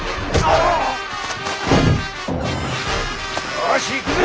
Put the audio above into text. よしいくぜ！